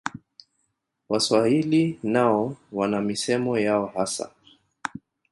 Waswahili nao wana misemo yao hasa